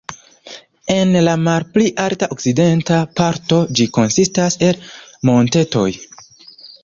En la malpli alta okcidenta parto ĝi konsistas el montetoj.